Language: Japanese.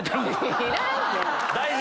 大事！